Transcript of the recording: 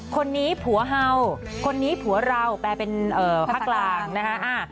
คนนี้ผัวเห่าคนนี้ผัวเราแปลเป็นภาคกลางนะคะ